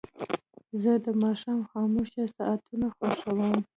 زه د ماښام خاموشه ساعتونه خوښوم.